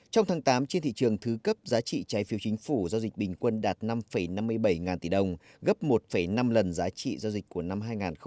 trong tháng tám trên thị trường thứ cấp giá trị trái phiếu chính phủ giao dịch bình quân đạt năm năm mươi bảy ngàn tỷ đồng gấp một năm lần giá trị giao dịch của năm hai nghìn một mươi chín